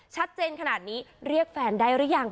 ชัดเจนขนาดนี้เรียกแฟนได้หรือยัง